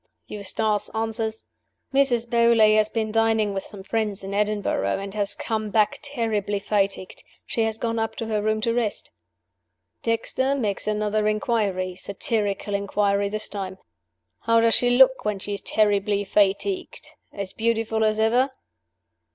Eustace answers: 'Mrs. Beauly has been dining with some friends in Edinburgh, and has come back terribly fatigued: she has gone up to her room to rest.' Dexter makes another inquiry (satirical inquiry, this time): 'How does she look when she is terribly fatigued? As beautiful as ever?